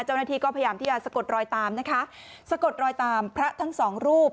เจ้าหน้าที่ก็พยายามที่จะสะกดรอยตามนะคะสะกดรอยตามพระทั้งสองรูป